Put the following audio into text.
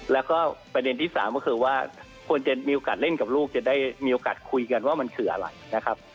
แล้วก็ประเด็นที่สามก็คือว่าควรจะมีโอกาสเล่นกับลูกจะได้มีโอกาสคุยกันว่ามันคืออะไรนะครับ